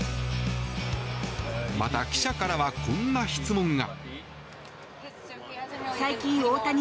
また記者からはこんな質問が。